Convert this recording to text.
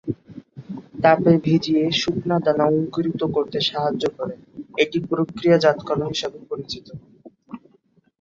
তাপে ভিজিয়ে শুকনা দানা অঙ্কুরিত করতে সাহায্য করে, এটি প্রক্রিয়াজাতকরণ হিসাবে পরিচিত।